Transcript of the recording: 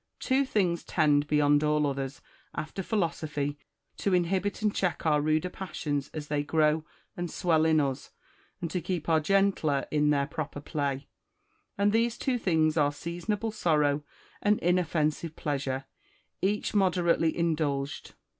Two things tend beyond all others, after philosophy, to inhibit and check our ruder passions as they grow and swell in us, and to keep our gentler in their proper play : and these two things are seasonable sorrow and inoffensive pleasure, each moderately indulged.